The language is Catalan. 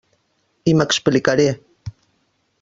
I m'explicaré.